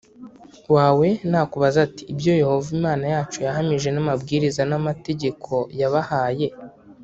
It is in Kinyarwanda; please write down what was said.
wawe nakubaza ati ibyo Yehova Imana yacu yahamije n amabwiriza n amategeko yabahaye